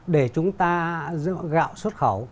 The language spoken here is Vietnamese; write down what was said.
để chúng ta gạo xuất khẩu